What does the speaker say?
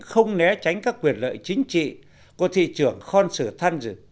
không né tránh các quyền lợi chính trị của thị trưởng khonsu thanj